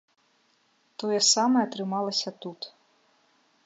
Тое самае атрымалася тут.